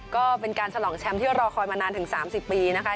ก็เป็นการฉลองแชมป์ที่รอคอยมานานถึง๓๐ปีนะคะ